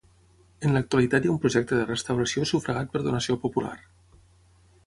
En l'actualitat hi ha un projecte de restauració sufragat per donació popular.